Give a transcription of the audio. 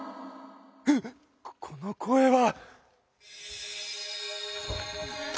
うっこの声は。